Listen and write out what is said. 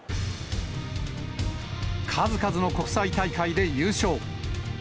数々の国際大会で優勝。